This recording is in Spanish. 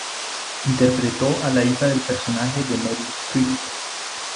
Interpretó a la hija del personaje de Meryl Streep.